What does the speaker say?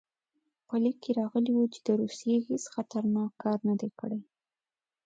په لیک کې راغلي وو چې روسیې هېڅ خطرناک کار نه دی کړی.